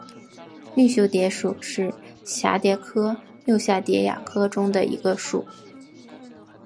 绿袖蝶属是蛱蝶科釉蛱蝶亚科中的一个属。